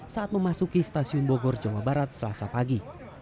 saat memasuki stasiun bogor jawa barat selasa pagi